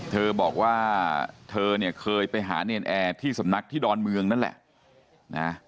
เธอบอกว่าเธอเนี่ยเคยไปหาเนรนแอร์ที่สำนักที่ดอนเมืองนั่นแหละนะ